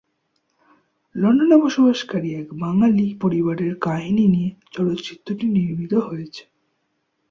লন্ডনে বসবাসকারী এক বাঙ্গালী পরিবারের কাহিনী নিয়ে চলচ্চিত্রটি নির্মিত হয়েছে।